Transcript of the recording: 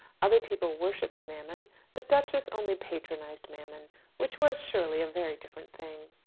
Other people worshipped Mammon; the duchess only patronized Mammon which was, surely, a very different thing!